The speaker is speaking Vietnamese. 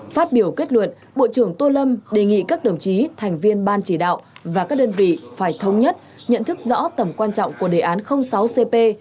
phát biểu kết luận bộ trưởng tô lâm đề nghị các đồng chí thành viên ban chỉ đạo và các đơn vị phải thống nhất nhận thức rõ tầm quan trọng của đề án sáu cp